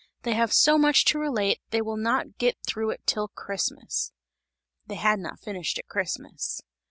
They have so much to relate, they will not get through till Christmas!" They had not finished at Christmas.